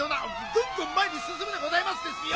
グングンまえにすすむでございますですよ！